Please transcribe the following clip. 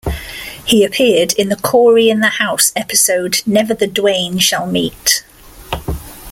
He appeared in the "Cory in the House" episode "Never the Dwayne Shall Meet".